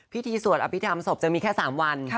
พิธีสวดอภิษฐรรศพจะมีแค่๓วัน